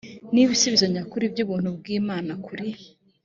ni ibisubizo nyakuri by ubuntu bw imana kuri